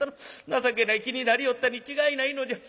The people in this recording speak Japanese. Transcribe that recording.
情けない気になりよったに違いないのじゃ。